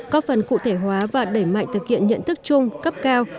có phần cụ thể hóa và đẩy mạnh thực hiện nhận thức chung cấp cao